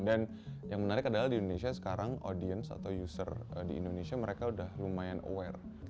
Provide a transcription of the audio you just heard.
dan yang menarik adalah di indonesia sekarang audience atau user di indonesia mereka udah lumayan aware